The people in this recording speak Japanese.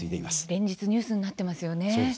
連日ニュースになっていますよね。